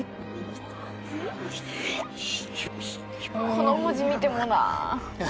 この文字見てもな。